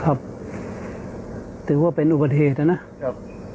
ถือว่าเป็นอุบัติเหตุนะครับ